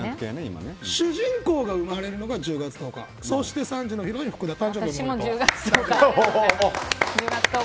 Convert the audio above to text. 主人公が生まれるのが１０月１０日そして３時のヒロイン福田